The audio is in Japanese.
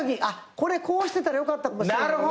これこうしてたらよかったかもしれへんな。